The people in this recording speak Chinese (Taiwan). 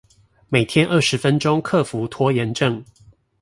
每天二十分鐘克服拖延症